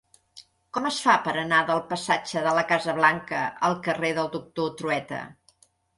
Com es fa per anar del passatge de la Casa Blanca al carrer del Doctor Trueta?